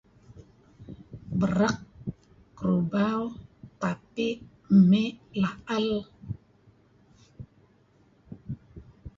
Berek, Kerubau, Tapi', Emik, Laal.